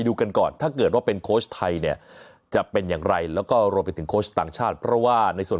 ดูกันก่อนถ้าเกิดว่าเป็นโค้ชไทยเนี่ยจะเป็นอย่างไรแล้วก็รวมไปถึงโค้ชต่างชาติเพราะว่าในส่วน